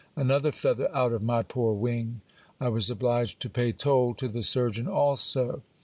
Another feather out of my poor wing ! I was obliged to pay toll to the surgeon also.